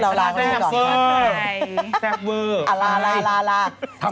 โอเคไปแล้วคุณผู้ชมทั้งสองค่ะ